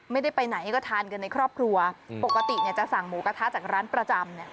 ไม่ได้ไปไหนก็ทานกันในครอบครัวปกติเนี่ยจะสั่งหมูกระทะจากร้านประจำเนี่ย